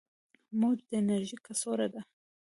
موج د انرژي کڅوړه ده.